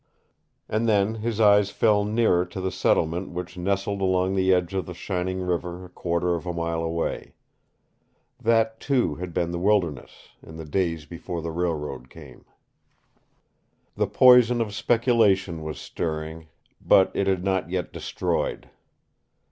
And then his eyes fell nearer to the settlement which nestled along the edge of the shining river a quarter of a mile away. That, too, had been the wilderness, in the days before the railroad came. The poison of speculation was stirring, but it had not yet destroyed.